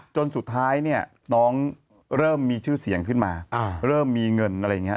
จนสุดท้ายเนี่ยน้องเริ่มมีชื่อเสียงขึ้นมาเริ่มมีเงินอะไรอย่างนี้